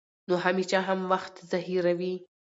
نو همېشه هم وخت ظاهروي